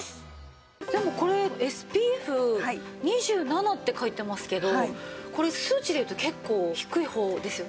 でもこれＳＰＦ２７って書いてますけどこれ数値でいうと結構低い方ですよね。